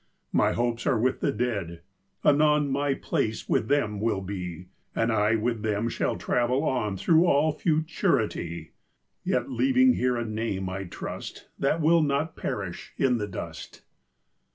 My hopes are with the Dead, anon My place with them will be, And I with them shall travel on Through all Futurity; Yet leaving here a name, I trust, That will not perish in the dust.